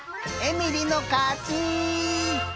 えみりのかち！